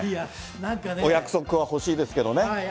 お約束は欲しいですけどね。